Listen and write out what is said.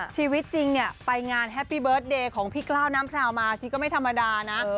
ชีวิตจริงเนี่ยไปงานแฮปปี้เบิร์ตเดย์ของพี่กล้าวน้ำพราวมาชีก็ไม่ธรรมดานะ